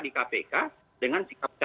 di kpk dengan sikap